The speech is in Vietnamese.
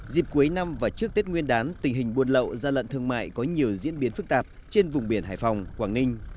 dịp cuối năm và trước tết nguyên đán tình hình buôn lậu gian lận thương mại có nhiều diễn biến phức tạp trên vùng biển hải phòng quảng ninh